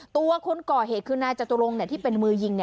ตัวคนก่อเหตุคือนายจตุรงค์ที่เป็นมือยิง